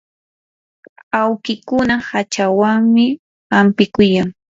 awkikuna hachawanmi hampikuyan.